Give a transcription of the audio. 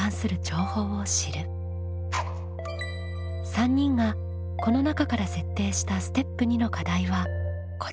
３人がこの中から設定したステップ２の課題はこちら。